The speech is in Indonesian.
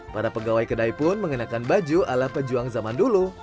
para pegawai kedai pun mengenakan baju ala pejuang zaman dulu